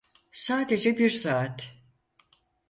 Sadece bir saat.